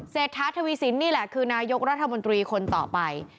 เศรษฐาทวีสินนี่แหละคือนายกรัฐมนตรีคนต่อไป